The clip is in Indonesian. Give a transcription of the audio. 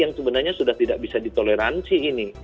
yang sebenarnya sudah tidak bisa ditoleransi ini